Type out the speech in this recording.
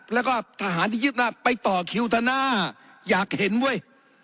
แล้วก็ทหารที่ยึดหน้าไปต่อคิวธนาอยากเห็นเว้ย